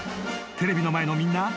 ［テレビの前のみんな］